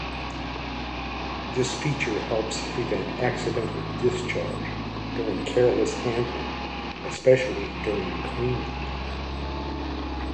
This feature helps prevent accidental discharge during careless handling especially during cleaning.